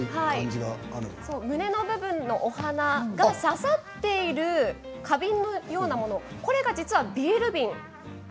胸の部分のお花が挿さっている花瓶のようなもの、これが実はビール瓶。